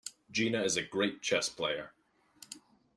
Gina is a great chess player.